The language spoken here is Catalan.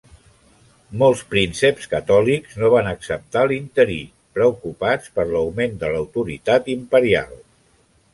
Molts prínceps catòlics no van acceptar l'interí, preocupats per l'augment de l'autoritat imperial.